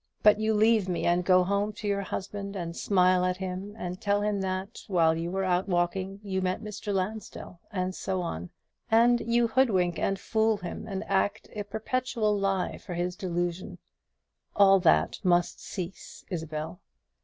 But you leave me and go home to your husband, and smile at him, and tell him that, while you were out walking, you met Mr. Lansdell, and so on; and you hoodwink and fool him, and act a perpetual lie for his delusion. All that must cease, Isabel.